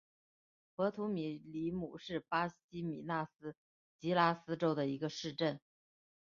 博图米里姆是巴西米纳斯吉拉斯州的一个市镇。